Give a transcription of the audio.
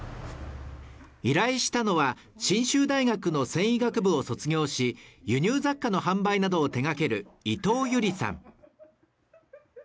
依頼したのは信州大学の繊維学部を卒業し輸入雑貨の販売などを手掛ける伊藤優里さん